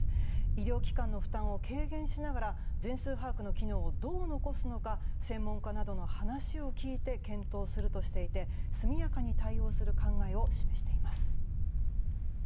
医療機関の負担を軽減しながら全数把握の機能をどう残すのか専門家の話を聞いて検討するとしていて速やかに対応する考えを示しています。